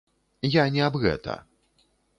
Я не аб гэта.